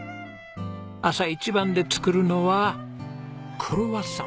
朝一番で作るのはクロワッサン。